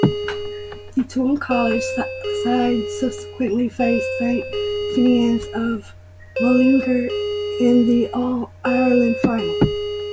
The Tuam college side subsequently faced Saint Finian's of Mullingar in the All-Ireland final.